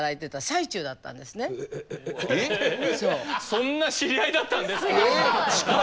そんな知り合いだったんですか？